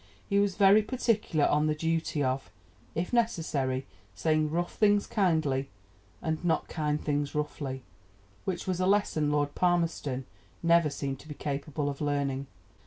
He was very particular on the duty of "if necessary, saying rough things kindly, and not kind things roughly," which was a lesson Lord Palmerston never seemed to be capable of learning.